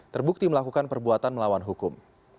terbukti melakukan perbuatan melawan hukum